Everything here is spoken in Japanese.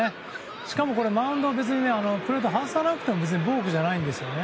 しかもこれ、マウンドはプレートを外さなくても別にボークじゃないんですね。